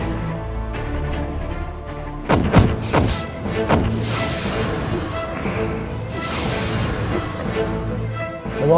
aku akan menemukanmu